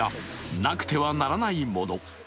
なくてはならないもの。